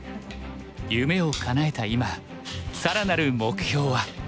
夢をかなえた今更なる目標は。